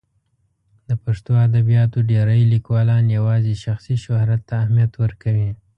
د پښتو ادبیاتو ډېری لیکوالان یوازې شخصي شهرت ته اهمیت ورکوي.